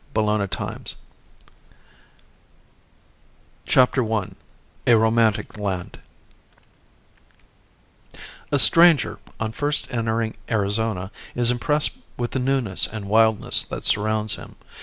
A FINE CLIMATE CHAPTER I A ROMANTIC LAND A stranger on first entering Arizona is impressed with the newness and wildness that surrounds him.